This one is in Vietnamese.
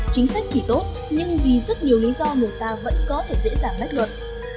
chính sách kỳ tốt nhưng vì rất nhiều lý do người ta vẫn có thể dễ dàng bắt luật